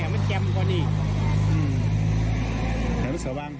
อยากให้มันสว่าง